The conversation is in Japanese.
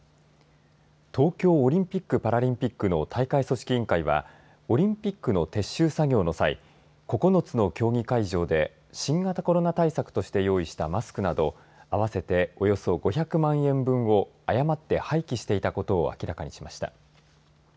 東京オリンピック・パラリンピックの大会組織委員会はオリンピックの撤収作業の際９つの競技会場で新型コロナ対策として用意したマスクなど合わせておよそ５００万円分を誤って廃棄していたことを明らかにしました。